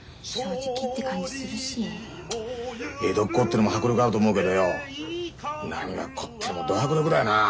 江戸っ子ってのも迫力あると思うけどよ浪花っ子ってのもど迫力だよな。